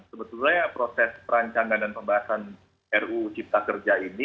sebetulnya proses perancangan dan pembahasan ruu cipta kerja ini